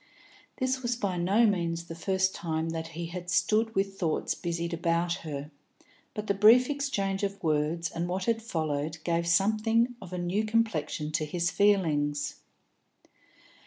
This was by no means the first time that he had stood with thoughts busied about her, but the brief exchange of words and what had followed gave something of a new complexion to his feelings.